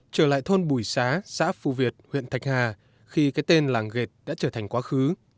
trở lại thôn bùi xá xã phù việt huyện thạch hà khi cái tên làng gệt đã trở thành quá khứ